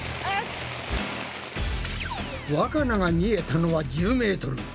わかなが見えたのは１０ｍ。